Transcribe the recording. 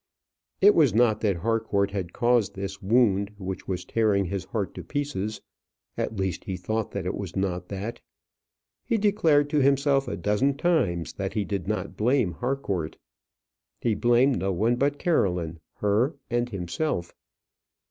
It was not that Harcourt had caused this wound which was tearing his heart to pieces; at least, he thought that it was not that. He declared to himself a dozen times that he did not blame Harcourt. He blamed no one but Caroline her and himself.